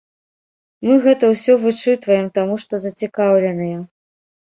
Мы гэта ўсё вычытваем, таму што зацікаўленыя.